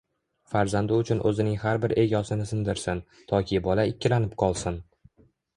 Farzandi uchun o‘zining har bir egosini sindirsin, toki bola ikkilanib qolsin.